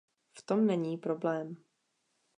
V tom není problém.